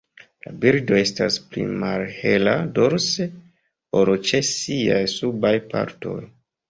La birdo estas pli malhela dorse ol ĉe siaj subaj partoj.